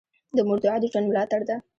د مور دعا د ژوند ملاتړ ده.